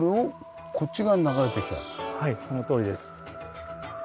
はいそのとおりです。